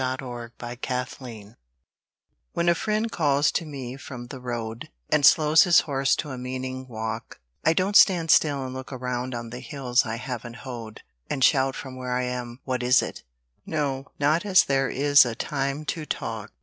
A TIME TO TALK When a friend calls to me from the road And slows his horse to a meaning walk, I don't stand still and look around On all the hills I haven't hoed, And shout from where I am, What is it? No, not as there is a time to talk.